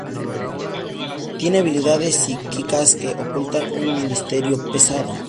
Tiene habilidades psíquicas que ocultan un misterioso pasado.